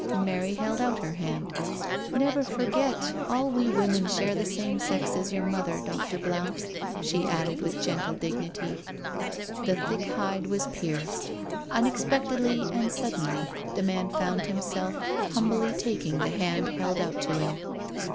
*' Mary held out her hand: " Never forget all we women share the same sex as your mother. Dr. Blount/* she added with gentle dignity. The thick hide was pierced. Unexpectedly and sud denly the man found himself humbly taking the hand held out to him.